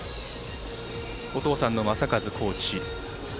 お父さんの正和コーチ。